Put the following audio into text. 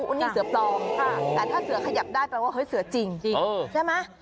อันนี้เสือปลอมแต่ถ้าเสือขยับได้แปลว่าเสือจริงจริงใช่มั้ย